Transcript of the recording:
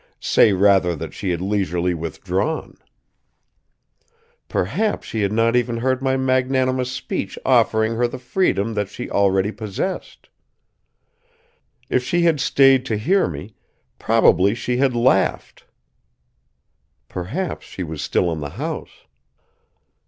Say rather that she had leisurely withdrawn! Perhaps she had not even heard my magnanimous speech offering her the freedom that she already possessed. If she had stayed to hear me, probably she had laughed. Perhaps she was still in the house.